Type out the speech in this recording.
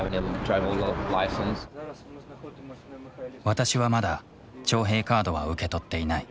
私はまだ徴兵カードは受け取っていない。